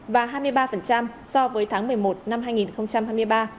và hai mươi ba so với tháng một mươi một năm hai nghìn hai mươi ba